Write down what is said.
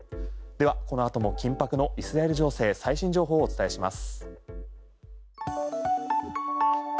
この後も緊迫のイスラエル情勢最新情報をお伝えします。